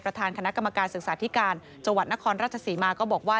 ประธานคณะกรรมการศึกษาธิการจังหวัดนครราชศรีมาก็บอกว่า